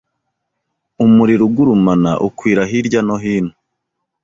umuriro ugurumana ukwira hirya no hino